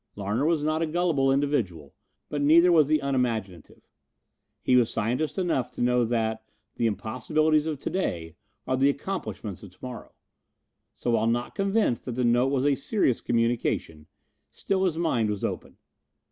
Larner was not a gullible individual, but neither was he unimaginative. He was scientist enough to know that "the impossibilities of to day are the accomplishments of to morrow." So while not convinced that the note was a serious communication, still his mind was open.